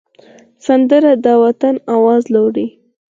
سندره د وطن آواز لوړوي